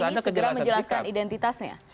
segera menjelaskan identitasnya